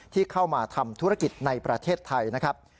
ที่เข้ามาทำธุรกิจในประเทศไทยนะครับ